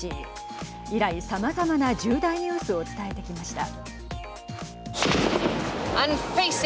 以来さまざまな重大ニュースを伝えてきました。